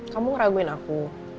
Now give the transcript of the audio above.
kamu raguin aku